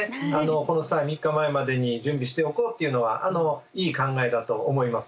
この際３日前までに準備しておこうっていうのはいい考えだと思います。